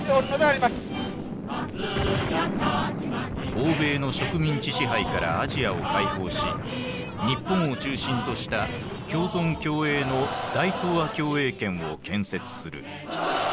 欧米の植民地支配からアジアを解放し日本を中心とした共存共栄の大東亜共栄圏を建設する。